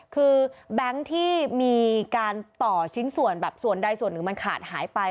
คือแบงค์ที่มีการต่อชิ้นส่วนแบบส่วนใดส่วนหนึ่งมันขาดหายไป